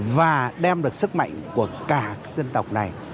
và đem được sức mạnh của cả các dân tộc này